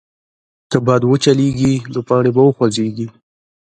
که باد وچلېږي، نو پاڼې به وخوځېږي.